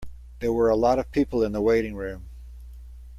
There were a lot of people in the waiting room.